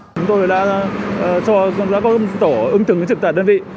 chúng tôi đã có tổ ứng tưởng trực tạp đơn vị